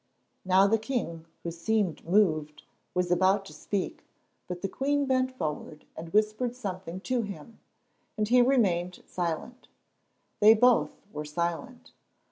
Now the king, who seemed moved, was about to speak; but the queen bent forward and whispered something to him, and he remained silent. They both were silent.